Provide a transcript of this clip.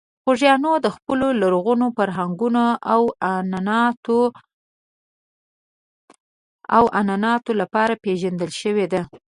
خوږیاڼي د خپلو لرغونو فرهنګونو او عنعناتو لپاره پېژندل شوې ده.